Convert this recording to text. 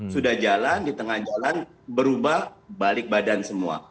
sudah jalan di tengah jalan berubah balik badan semua